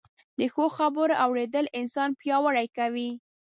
د ښو خبرو اورېدل انسان پياوړی کوي